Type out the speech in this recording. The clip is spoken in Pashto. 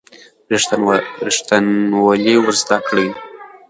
ریښتینولي ور زده کړئ.